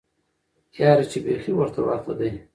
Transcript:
یاره چی بیخی ورته ورته دی